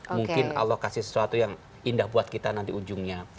mungkin allah kasih sesuatu yang indah buat kita nanti ujungnya